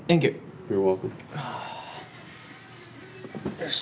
よし！